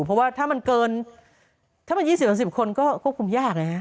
เพราะว่าถ้ามันเกินถ้ามัน๒๐๓๐คนก็คงยากนะครับ